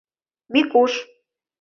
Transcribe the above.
Микуш.